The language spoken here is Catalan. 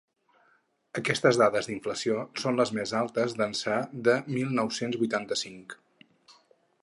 Aquestes dades d’inflació són les més altes d’ençà de mil nou-cents vuitanta-cinc.